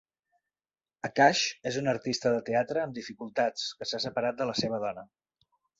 Akash és un artista de teatre amb dificultats que s'ha separat de la seva dóna.